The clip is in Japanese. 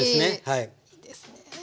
いいですね。